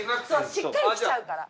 しっかり着ちゃうから。